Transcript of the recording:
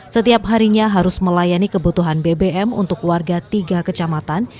setiap harinya harus melayani kebutuhan bbm untuk warga tiga kecamatan